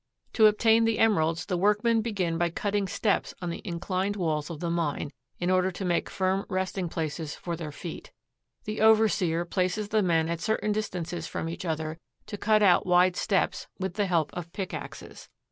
To obtain the emeralds the workmen begin by cutting steps on the inclined walls of the mine, in order to make firm resting places for their feet. The overseer places the men at certain distances from each other to cut out wide steps with the help of pickaxes.